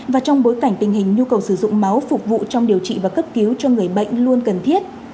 và trong bối cảnh tình hình nhu cầu sử dụng máu phục vụ trong điều trị và cấp cứu cho người bệnh luôn cần thiết